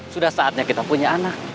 sudah saatnya kita punya anak